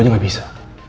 gue juga gak bisa